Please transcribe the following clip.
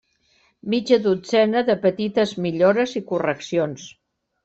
Mitja dotzena de petites millores i correccions.